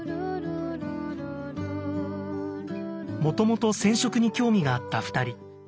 もともと染色に興味があった２人。